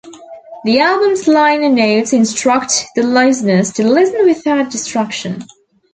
The album's liner notes instruct the listener to "Listen without distraction".